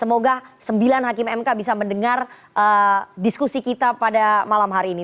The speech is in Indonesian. semoga sembilan hakim mk bisa mendengar diskusi kita pada malam hari ini